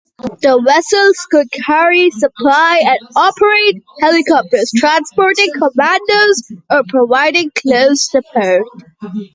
The vessels could carry, supply and operate helicopters transporting commandos or providing close support.